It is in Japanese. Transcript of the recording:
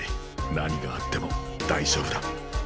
何があっても大丈夫だ。